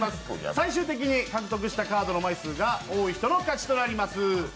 最終的に獲得したカードの枚数が多い人の勝ちとなります。